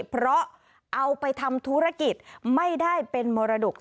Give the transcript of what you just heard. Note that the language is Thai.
เพราะเอาไปทำธุรกิจไม่ได้เป็นมรดก